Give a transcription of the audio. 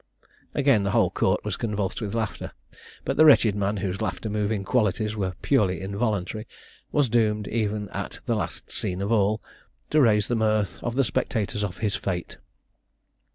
Again the whole court was convulsed with laughter; but the wretched man, whose laughter moving qualities were purely involuntary, was doomed even at "the last scene of all," to raise the mirth of the spectators of his fate.